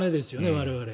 我々。